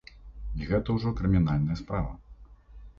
І гэта ўжо крымінальная справа.